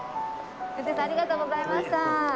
運転手さんありがとうございました。